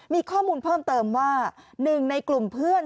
มีข้อมูลเพิ่มเติมว่าหนึ่งในกลุ่มเพื่อน